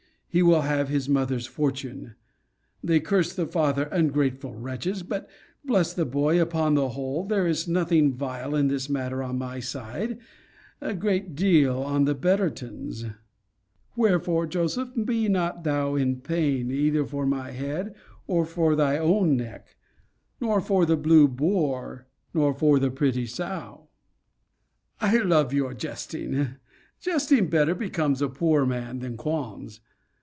He will have his mother's fortune. They curse the father, ungrateful wretches! but bless the boy Upon the whole, there is nothing vile in this matter on my side a great deal on the Bettertons. Wherefore, Joseph, be not thou in pain, either for my head, or for thy own neck; nor for the Blue Boar; nor for the pretty Sow. I love your jesting. Jesting better becomes a poor man than qualms.